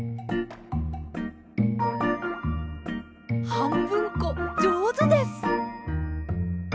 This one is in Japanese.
はんぶんこじょうずです。